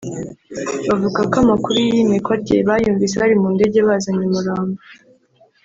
avuga ko amakuru y’iyimikwa rye bayumvise bari mu ndege bazanye umurambo